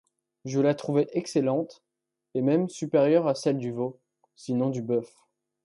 Je la trouvai excellente, et même supérieure à celle du veau, sinon du bœuf.